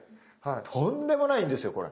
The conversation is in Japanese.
とんでもないんですよこれ。